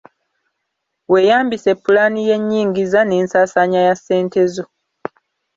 Weeyambise pulaani y’ennyingiza n’ensaasaanya ya ssente zo.